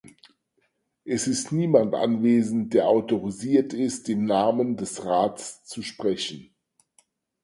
Es ist niemand anwesend, der autorisiert ist, im Namen des Rats zu sprechen.